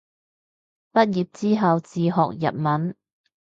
畢業之後自學日文